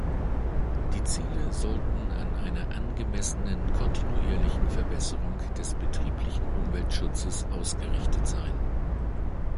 Die Ziele sollten an einer angemessenen kontinuierlichen Verbesserung des betrieblichen Umweltschutzes ausgerichtet sein.